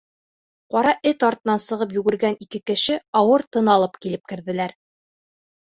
Ҡара Эт артынан сығып йүгергән ике кеше ауыр тын алып килеп керҙеләр.